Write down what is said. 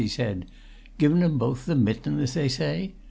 he said. "Given 'em both the mitten as they say?